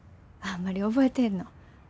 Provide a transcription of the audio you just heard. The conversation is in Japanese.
あんまり覚えてへんの。